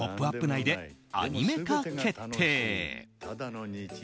内でアニメ化決定！